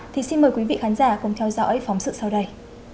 thì xin mời quý vị khán giả cùng theo dõi phóng sự sau đây